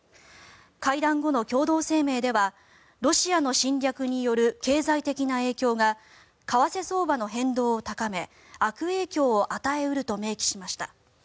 会談後の共同声明ではロシアの侵略による経済的な影響が為替相場の変動を高め悪影響を与え得ると明記しました。